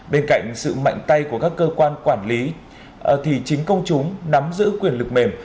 bên cạnh sự mạnh tay của các cơ quan quản lý thì chính công chúng nắm giữ quyền lực mềm